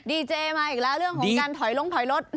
ดีเจมาอีกแล้วเรื่องของการถอยลงถอยรถ